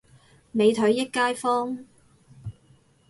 美腿益街坊